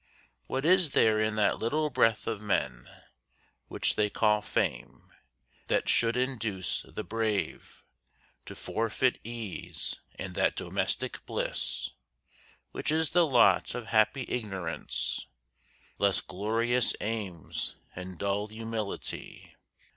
What is there in that little breath of men, Which they call Fame, that should induce the brave To forfeit ease and that domestic bliss Which is the lot of happy ignorance, Less glorious aims, and dull humility?